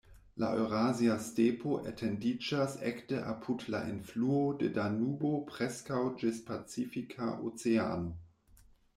La Eŭrazia Stepo etendiĝas ekde apud la enfluo de Danubo preskaŭ ĝis Pacifika Oceano.